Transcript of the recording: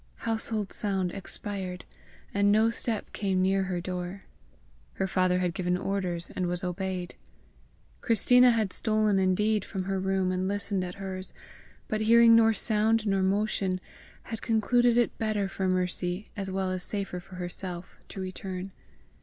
Household sound expired, and no step came near her door. Her father had given orders, and was obeyed. Christina has stolen indeed from her own room and listened at hers, but hearing nor sound nor motion, had concluded it better for Mercy as well as safer for herself, to return.